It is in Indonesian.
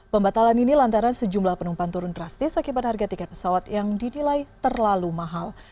pembatalan ini lantaran sejumlah penumpang turun drastis akibat harga tiket pesawat yang dinilai terlalu mahal